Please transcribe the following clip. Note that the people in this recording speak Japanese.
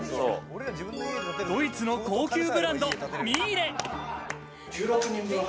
ドイツの高級ブランド、ミーレ。